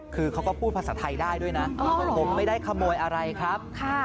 คือเขาก็พูดภาษาไทยได้ด้วยนะผมไม่ได้ขโมยอะไรครับ